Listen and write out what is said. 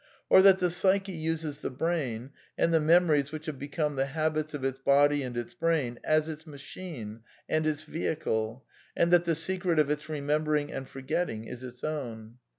Or that the psyche uses the brain, and the memories which have become the habits of its body and its brain, as its machine, and its vehicle ; and that the secret of its remembering and forgetting is its own?